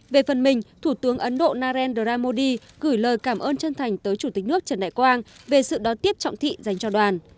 về phần mình thủ tướng ấn độ narendra modi gửi lời cảm ơn chân thành tới chủ tịch nước trần đại quang về sự đón tiếp trọng thị dành cho đoàn